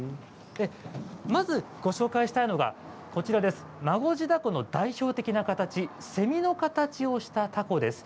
まずご紹介したいのが孫次凧の代表的な形セミの形をした凧です。